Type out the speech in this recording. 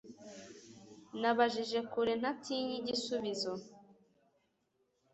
Nabajije kure ntatinya igisubizo